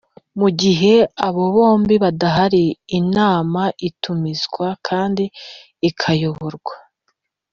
Mu gihe abo bombi badahari Inama itumizwa kandi ikayoborwa